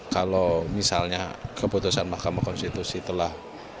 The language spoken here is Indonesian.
kalau misalnya keputusan mahkamah konstitusi telah